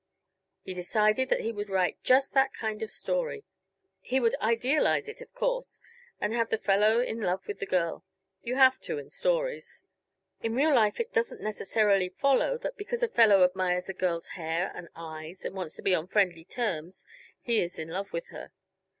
He decided that he would write just that kind of story; he would idealize it, of course, and have the fellow in love with the girl; you have to, in stories. In real life it doesn't necessarily follow that, because a fellow admires a girl's hair and eyes, and wants to be on friendly terms, he is in love with her.